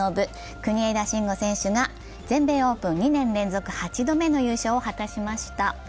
国枝慎吾選手が全米オープン２年連続８度目の優勝を果たしました。